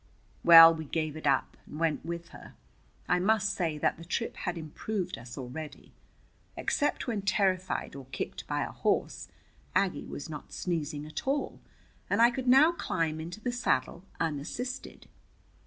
Well, we gave it up and went with her. I must say that the trip had improved us already. Except when terrified or kicked by a horse, Aggie was not sneezing at all, and I could now climb into the saddle unassisted.